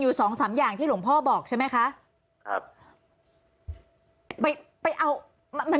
สองสามอย่างที่หลวงพ่อบอกใช่ไหมคะครับไปไปเอามัน